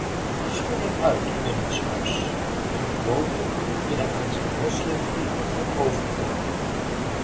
Schoenen uit binnenshuis, een gewoonte die hij van zijn moslimvrienden had overgenomen.